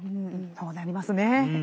そうなりますね。